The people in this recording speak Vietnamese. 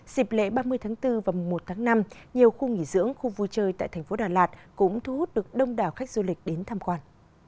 dịp lễ ba mươi tháng bốn và một tháng năm nhiều khu nghỉ dưỡng khu vui chơi tại thành phố đà lạt cũng thu hút được đông đảo khách du lịch đến tham quan